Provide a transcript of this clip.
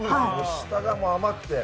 下が甘くて。